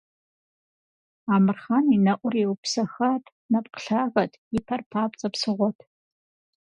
Амырхъан и нэӀур еупсэхат, нэпкъ лъагэт, и пэр папцӀэ псыгъуэт.